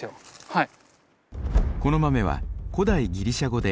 はい。